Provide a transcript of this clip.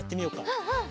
うんうん。